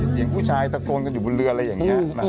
เสียงผู้ชายตะโกนกันอยู่บนเรืออะไรอย่างนี้